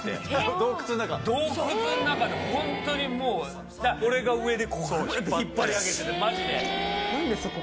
洞窟の中でホントにもう俺が上でこうやって引っ張り上げてマジで。